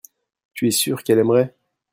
tu es sûr qu'elle aimerait.